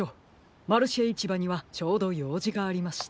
マルシェいちばにはちょうどようじがありました。